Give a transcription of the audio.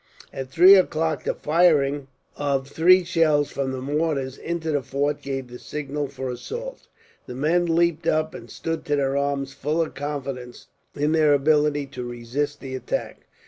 At three o'clock, the firing of three shells from the mortars into the fort gave the signal for assault. The men leaped up and stood to their arms, full of confidence in their ability to resist the attack.